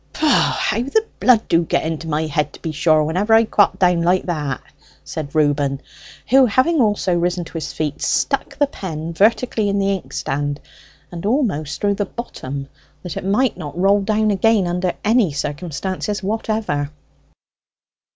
Piph h h h! How the blood do get into my head, to be sure, whenever I quat down like that!" said Reuben, who having also risen to his feet stuck the pen vertically in the inkstand and almost through the bottom, that it might not roll down again under any circumstances whatever.